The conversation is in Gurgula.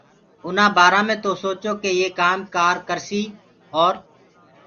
اُنآ بآرآ مي تو سوچو ڪي يي ڪآم ڪآ ڪرسيٚ اور